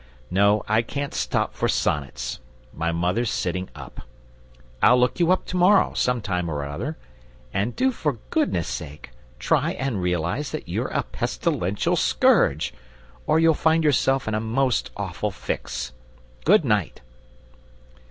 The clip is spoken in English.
No, I can't stop for sonnets; my mother's sitting up. I'll look you up to morrow, sometime or other, and do for goodness' sake try and realize that you're a pestilential scourge, or you'll find yourself in a most awful fix. Good night!"